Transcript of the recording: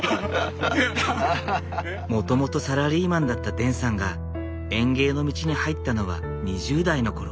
もともとサラリーマンだったデンさんが園芸の道に入ったのは２０代の頃。